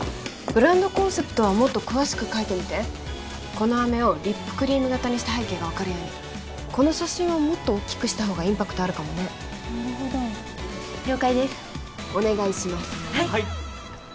ブランドコンセプトはもっと詳しく書いてみてこのあめをリップクリーム型にした背景が分かるようにこの写真はもっと大きくした方がインパクトあるかもねなるほど了解ですお願いしますはい！